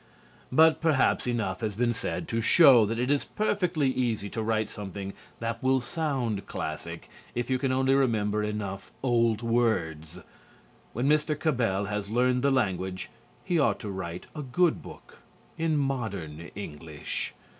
But perhaps enough has been said to show that it is perfectly easy to write something that will sound classic if you can only remember enough old words. When Mr. Cabell has learned the language, he ought to write a good book in modern English.